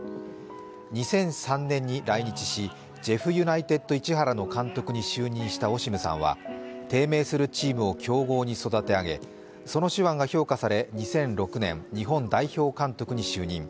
２００３年に来日し、ジェフユナイテッド市原の監督に就任したオシムさんは低迷するチームを強豪に育て上げその手腕が評価され２００６年、日本代表監督に就任。